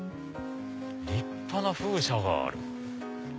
立派な風車がある。